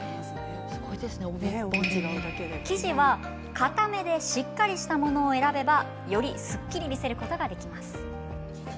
生地は、かためでしっかりしたものを選べばよりすっきり見せることができます。